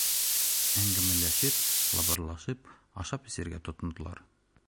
Әңгәмәләшеп, лабырлашып ашап-эсергә тотондолар.